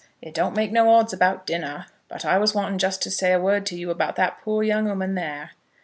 It don't make no odds about dinner. But I was wanting just to say a word to you about that poor young ooman there."